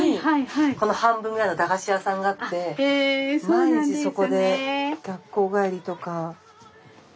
毎日そこで学校帰りとか。